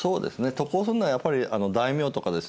渡航するのはやっぱり大名とかですね